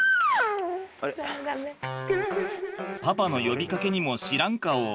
パパの呼びかけにも知らん顔。